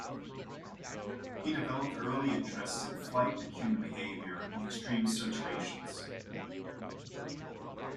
He developed early interests in flight and human behaviour in extreme situations.